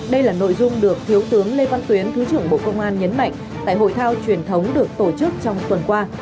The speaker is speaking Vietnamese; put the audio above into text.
đây là nội dung được thiếu tướng lê văn tuyến thứ trưởng bộ công an nhấn mạnh tại hội thao truyền thống được tổ chức trong tuần qua